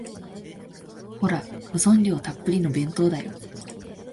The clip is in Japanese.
ほら、保存料たっぷりの弁当だよ。